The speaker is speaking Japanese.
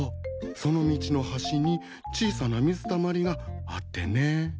その道の端に小さな水たまりがあってね。